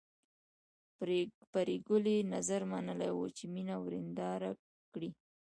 پري ګلې نذر منلی و چې مینه ورېنداره کړي